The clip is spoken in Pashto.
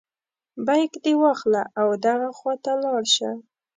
بیک دې واخله او دغه خواته لاړ شه.